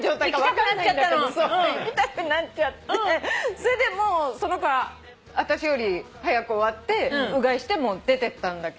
それでその子は私より早く終わってうがいして出てったんだけど。